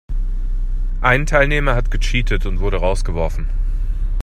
Ein Teilnehmer hat gecheatet und wurde rausgeworfen.